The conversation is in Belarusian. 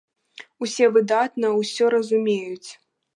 Усе выдатна ўсё разумеюць!